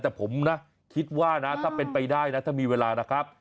แต่ผมนะคิดว่านะถ้าเป็นไปได้นะถ้ามีเวลานะครับ